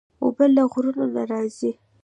اوبه له غرونو نه راځي.